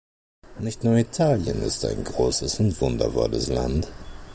Nicht nur Italien ist ein großes und wundervolles Land.